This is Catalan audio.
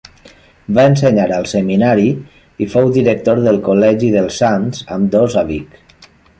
Va ensenyar al seminari i fou director del col·legi dels Sants, ambdós a Vic.